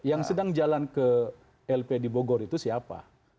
yang sedang jalan ke lp di bogor itu siapa